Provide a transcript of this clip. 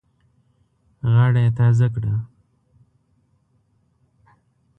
غاړه یې تازه کړه.